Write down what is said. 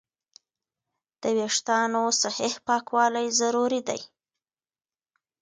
د وېښتیانو صحیح پاکوالی ضروري دی.